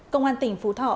công an tỉnh phú thọ